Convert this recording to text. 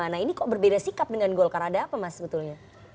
nah ini kok berbeda sikap dengan golkar ada apa mas sebetulnya